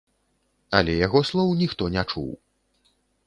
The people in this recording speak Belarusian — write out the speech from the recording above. Але яго слоў ніхто не чуў.